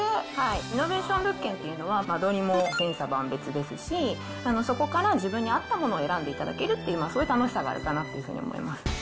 リノベーション物件というのは、間取りも千差万別ですし、そこから自分に合ったものを選んでいただけるっていう、そういう楽しさがあるかなというふうに思います。